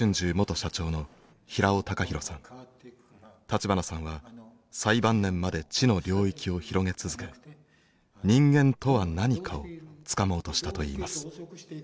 立花さんは最晩年まで知の領域を広げ続け人間とは何かをつかもうとしたといいます。